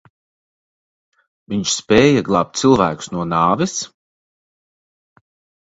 Viņš spēja glābt cilvēkus no nāves?